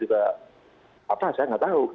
tidak apa saya gak tahu